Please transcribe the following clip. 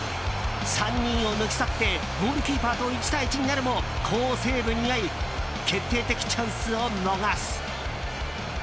３人を抜き去ってゴールキーパーと１対１になるも好セーブにあい決定的チャンスを逃す。